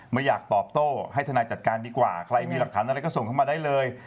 ไม่อยากตอบโต้ให้ธนายจัดการดีกว่าใครมีหลักฐานอะไรก็ส่งเข้ามาได้เลย